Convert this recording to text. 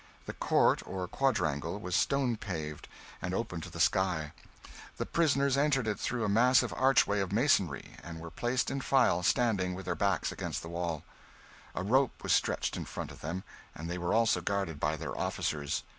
The court or quadrangle was stone paved, and open to the sky. The prisoners entered it through a massive archway of masonry, and were placed in file, standing, with their backs against the wall. A rope was stretched in front of them, and they were also guarded by their officers.